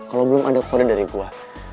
kalo belum ada kode dari gue